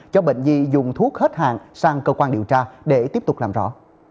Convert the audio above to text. cho bệnh nhi dùng thuốc hết hàng sang cơ quan điều tra để tiếp tục làm rõ